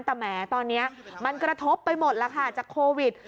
แต่แหมตอนนี้มันกระทบไปหมดแล้วค่ะจากโควิด